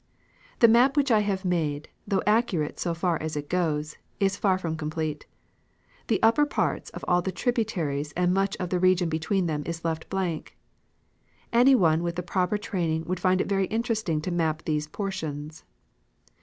The map which I have made, though accurate so far as it goes, is far from complete. The upper parts of all the tributaries and much of the region between them is left blank. Any one with the proper training would find it very interesting to map these portions.